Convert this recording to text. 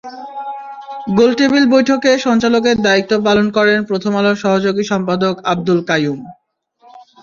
গোলটেবিল বৈঠকে সঞ্চালকের দায়িত্ব পালন করেন প্রথম আলোর সহযোগী সম্পাদক আব্দুল কাইয়ুম।